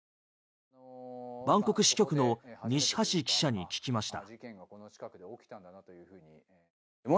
バンコク支局の西橋記者に聞きました。